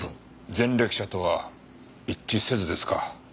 前歴者とは一致せずですか。